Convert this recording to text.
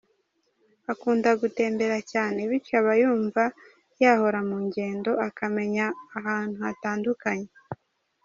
Akunda gutembera cyane bityo aba yumva yahora mu ngendo akamenya ahantu hatandukanye.